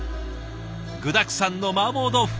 具だくさんのマーボー豆腐